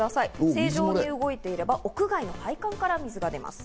正常に動いていれば屋外の配管から水が出ます。